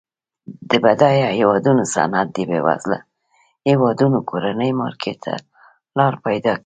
د بډایه هیوادونو صنعت د بیوزله هیوادونو کورني مارکیټ ته لار پیداکوي.